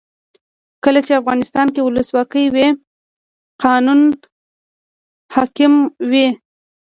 کله چې افغانستان کې ولسواکي وي قانون حاکم وي.